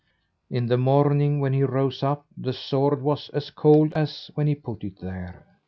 In the morning when he rose up, the sword was as cold as when he put it there.